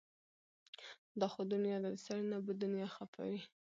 دا خو دنيا ده د سړي نه به دنيا خفه وي